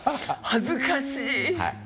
恥ずかしい。